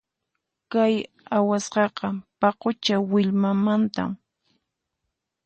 Kay awasqaqa paqucha millwamantam.